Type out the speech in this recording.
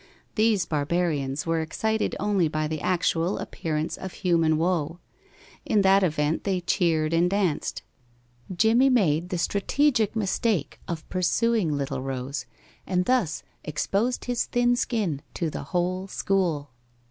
These barbarians were excited only by the actual appearance of human woe; in that event they cheered and danced. Jimmie made the strategic mistake of pursuing little Rose, and thus exposed his thin skin to the whole school.